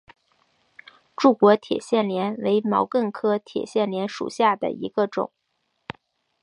柱果铁线莲为毛茛科铁线莲属下的一个种。